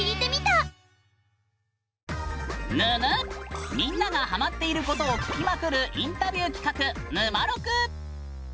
ぬぬっ、みんながハマっていることを聞きまくるインタビュー企画「ぬまろく」。